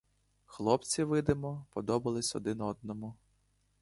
Хлопці, видимо, подобались один одному.